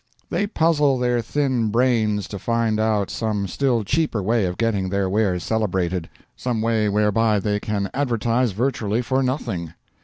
They puzzle their thin brains to find out some still cheaper way of getting their wares celebrated—some way whereby they can advertise virtually for nothing.